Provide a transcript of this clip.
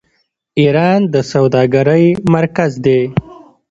ایران د سوداګرۍ مرکز دی.